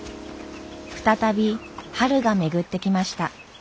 再び春が巡ってきました。